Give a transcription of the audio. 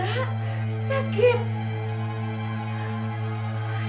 astaga aku baru